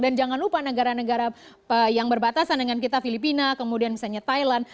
dan jangan lupa negara negara yang berbatasan dengan kita filipina kemudian misalnya thailand